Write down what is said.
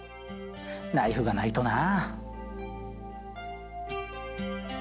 ナイフがないとな。